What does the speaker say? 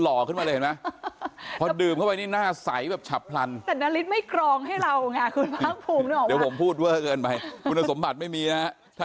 ตอนตักมาจากแหล่งเลยจะใสหน่อยเนาะ